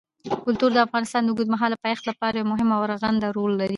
کلتور د افغانستان د اوږدمهاله پایښت لپاره یو مهم او رغنده رول لري.